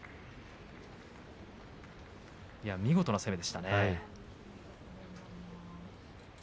見事な攻めでしたね。